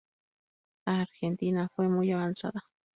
Argentina fue muy avanzada.